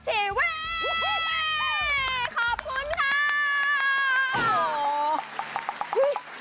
ขอบคุณครับ